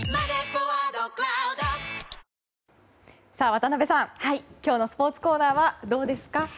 渡辺さん、今日のスポーツコーナーはどうですか？